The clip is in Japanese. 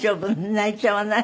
泣いちゃわない？